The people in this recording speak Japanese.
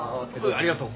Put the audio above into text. ありがとう。